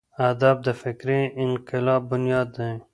ادب د فکري انقلاب بنیاد دی.